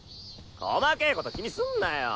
こまけこと気にすんなよ！